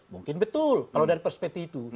mungkin betul kalau dari perspektif itu